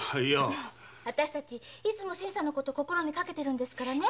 私たちいつも新さんの事心にかけてるんですから。